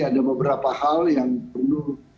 ada beberapa hal yang perlu